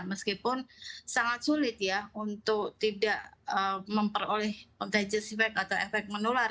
meskipun sangat sulit ya untuk tidak memperoleh contage efek atau efek menular